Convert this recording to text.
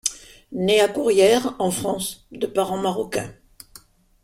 Né à Courrières en France de parents marocains.